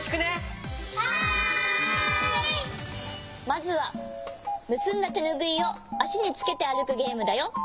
まずはむすんだてぬぐいをあしにつけてあるくゲームだよ。